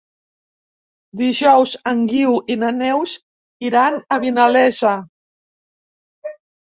Dijous en Guiu i na Neus iran a Vinalesa.